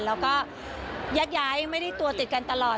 แล้วก็แยกย้ายไม่ได้ตัวติดกันตลอด